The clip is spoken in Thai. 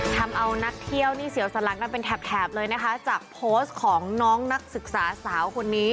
ทำเอานักเที่ยวนี่เสียวสลังกันเป็นแถบแถบเลยนะคะจากโพสต์ของน้องนักศึกษาสาวคนนี้